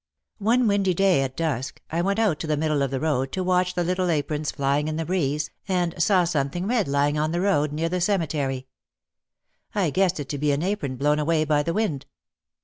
One windy day, at dusk, I went out to the middle of the road to watch the little aprons flying in the breeze and saw something red lying on the road near the ceme tery. I guessed it to be an apron blown away by the wind.